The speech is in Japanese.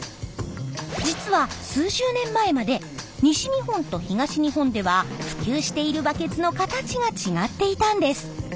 実は数十年前まで西日本と東日本では普及しているバケツの形が違っていたんです。